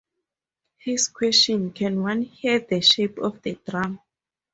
His question, Can one hear the shape of a drum?